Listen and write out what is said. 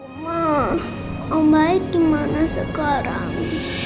oma omaik gimana sekarang